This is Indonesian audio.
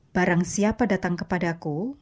barang siapa datang kepadaku